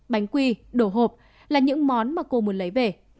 bánh quy đổ hộp là những món mà cô muốn lấy về